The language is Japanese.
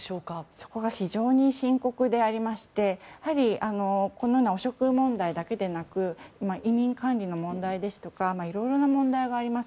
そこが非常に深刻でありましてやはり、このような汚職問題だけでなく移民管理の問題ですとかいろいろな問題があります。